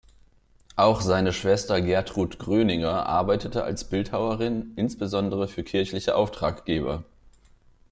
Auch seine Schwester Gertrud Gröninger arbeitete als Bildhauerin, insbesondere für kirchliche Auftraggeber.